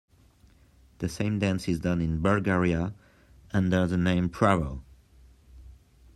The same dance is done in Bulgaria under the name "Pravo".